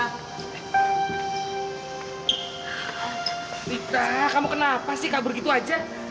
mita kamu kenapa sih kabur gitu aja